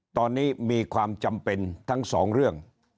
ตอนนี้มีความจำเป็นทั้งสองเรื่อง